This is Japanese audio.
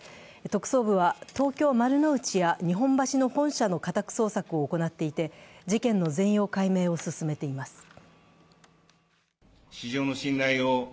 特捜部は東京・丸の内や日本橋の本社の家宅捜索を行っていて事件の全容解明を進めています。